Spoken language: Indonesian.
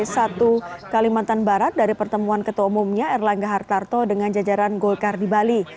satu kalimantan barat dari pertemuan ketua umumnya erlangga hartarto dengan jajaran golkar di bali